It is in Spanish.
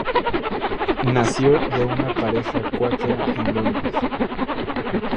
Nació de una pareja cuáquera en Londres.